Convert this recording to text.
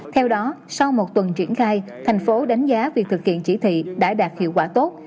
theo đó sau một tuần triển khai thành phố đánh giá việc thực hiện chỉ thị đã đạt hiệu quả tốt